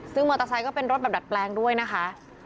ซึ่งมอเตอร์ไซค์ก็เป็นรถแบบดัดแปลงด้วยนะคะ